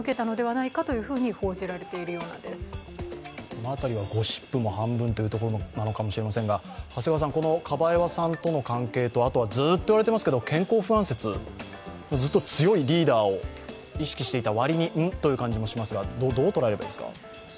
この辺りはゴシップも半分というところなのかもしれませんが、カバエワさんとの関係と、あとはずっと言われていますが、健康不安説ずっと強いリーダーを意識していたわりにん？とも思いますがどうですか？